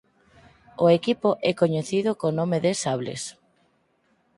O equipo é coñecido co nome de "Sables".